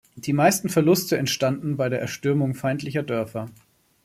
Die meisten Verluste entstanden bei der Erstürmung feindlicher Dörfer.